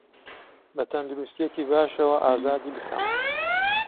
به تهندروستییهکی باشهوه ئازادی بکهم